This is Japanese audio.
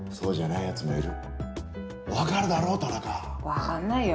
わかんないよ。